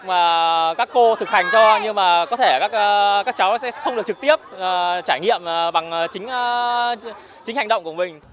và các cô thực hành cho nhưng mà có thể các cháu sẽ không được trực tiếp trải nghiệm bằng chính hành động của mình